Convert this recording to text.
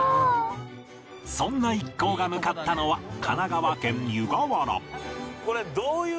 そんな一行が向かったのは神奈川県湯河原